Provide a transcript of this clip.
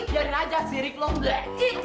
biarin aja sirik lo enggak encik